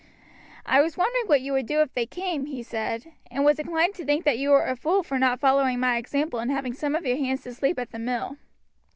"I was wondering what you would do if they came," he said, "and was inclined to think you were a fool for not following my example and having some of your hands to sleep at the mill.